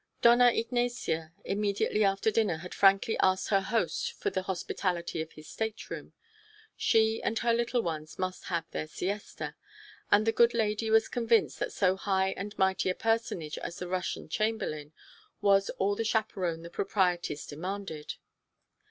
Dona Ignacia immediately after dinner had frankly asked her host for the hospitality of his stateroom. She and her little ones must have their siesta, and the good lady was convinced that so high and mighty a personage as the Russian Chamberlain was all the chaperon the proprieties demanded.